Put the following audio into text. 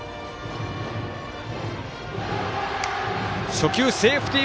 初球、セーフティー